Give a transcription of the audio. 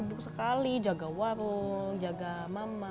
dia juga suka sekali jaga warung jaga mama